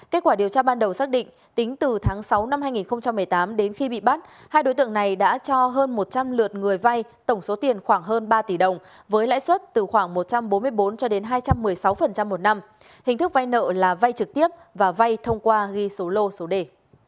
kết quả điều tra ban đầu xác định tính từ tháng sáu năm hai nghìn một mươi tám đến khi bị bắt hai đối tượng này đã cho hơn một trăm linh lượt người vay tổng số tiền khoảng hơn ba tỷ đồng với lãi suất từ khoảng một trăm bốn mươi bốn cho đến hai trăm một mươi sáu một năm hình thức vay nợ là vay trực tiếp và vay thông qua ghi số lô số đề